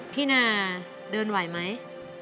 พี่นาเดินไหวไหม